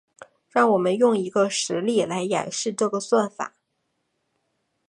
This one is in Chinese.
让我们用一个实例来演示这个算法。